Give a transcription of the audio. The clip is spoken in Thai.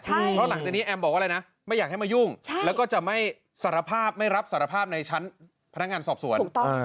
เพราะหลังจากนี้แอมบอกว่าอะไรนะไม่อยากให้มายุ่งแล้วก็จะไม่สารภาพไม่รับสารภาพในชั้นพนักงานสอบสวน